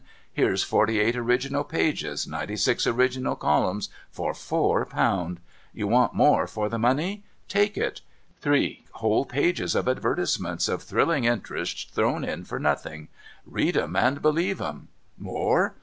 Here's forty eight original pages, ninety six original columns, for four i)Ound. You want more for the money? Take it. Three whole pages of advertisements of thrilling interest thrown in for nothing. Read 'em and believe 'em. More